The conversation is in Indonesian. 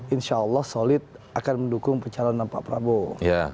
insyaallah solid akan mendukung pencalonan pak prabowo